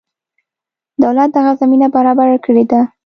دولت دغه زمینه برابره کړې ده.